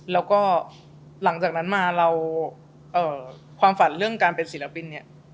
แล้วก็หลังจากนั้นมาเราความฝันเรื่องการเป็นศิลปินเนี่ย